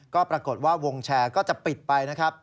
ก็ปรากฏว่าวงแชร์ก็จะปิดไปนะครับ